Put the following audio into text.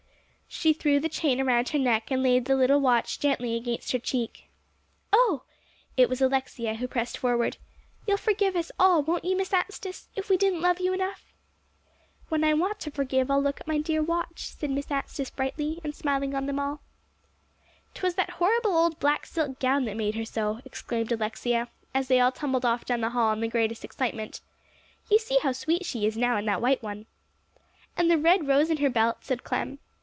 She threw the chain around her neck; and laid the little watch gently against her cheek. "Oh!" It was Alexia who pressed forward. "You'll forgive us all, won't you, Miss Anstice, if we didn't love you enough?" "When I want to forgive, I'll look at my dear watch," said Miss Anstice brightly, and smiling on them all. "'Twas that horrible old black silk gown that made her so," exclaimed Alexia, as they all tumbled off down the hall in the greatest excitement. "You see how sweet she is now, in that white one." "And the red rose in her belt," said Clem.